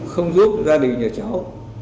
không giúp gia đình nhà cháu